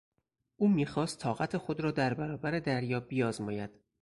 او میخواست طاقت خود را در برابر دریا بیازماید.